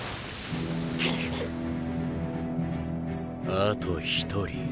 あと１人。